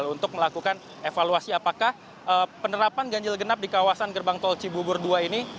untuk melakukan evaluasi apakah penerapan ganjil genap di kawasan gerbang tol cibubur dua ini